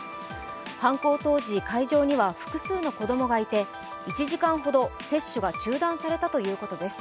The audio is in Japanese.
犯行当時、会場には複数の子供がいて、１時間ほど接種が中断されたということです。